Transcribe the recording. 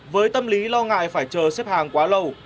với tâm lý lo ngại phải chờ xếp hàng quá lâu